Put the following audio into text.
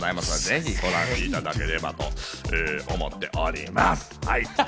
ぜひご覧いただければと思っております、はい。